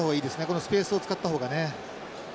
このスペースを使ったほうがね。